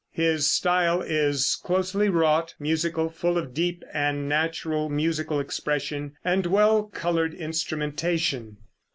His style is closely wrought, musical, full of deep and natural musical expression, and well colored instrumentation.